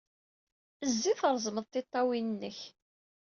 Zzi, treẓmed tiṭṭawin-nnek.